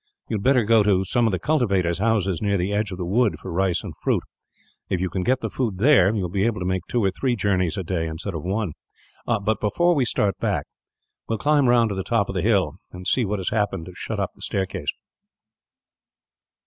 You had better go to some of the cultivators' houses, near the edge of the wood, for rice and fruit. If you can get the food there, you will be able to make two or three journeys a day, instead of one. "But, before we start back, we will climb round to the top of the hill, and see what has happened to shut up the staircase."